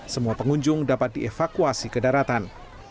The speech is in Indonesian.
semua pengunjung dapat dievakuasi ke daratan